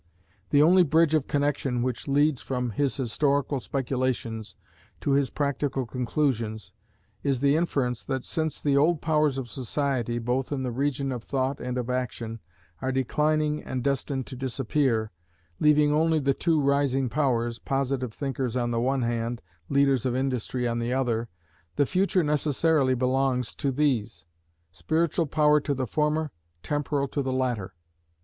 The only bridge of connexion which leads from his historical speculations to his practical conclusions, is the inference, that since the old powers of society, both in the region of thought and of action, are declining and destined to disappear, leaving only the two rising powers, positive thinkers on the one hand, leaders of industry on the other, the future necessarily belongs to these: spiritual power to the former, temporal to the latter.